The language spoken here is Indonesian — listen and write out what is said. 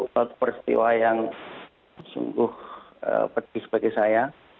satu peristiwa yang sungguh pedih bagi saya